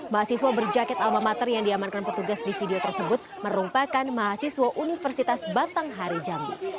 mahasiswa berjaket alma mater yang diamankan petugas di video tersebut merupakan mahasiswa universitas batanghari jambi